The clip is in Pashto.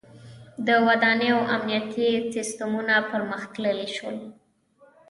• د ودانیو امنیتي سیستمونه پرمختللي شول.